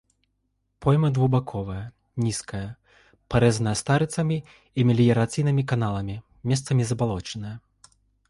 Пойма двухбаковая, нізкая, парэзаная старыцамі і меліярацыйнымі каналамі, месцамі забалочаная.